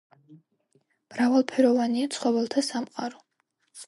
მრავალფეროვანია ცხოველთა სამყარო.